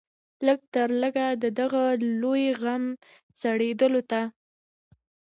لږ تر لږه د دغه لوی غم سړېدلو ته.